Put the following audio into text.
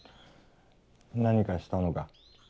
何かしたのか？